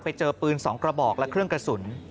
ไปเจอปืน๒กระบอกและเครื่องกระสุน